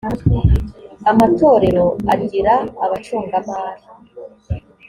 amatorero agira abacungamari.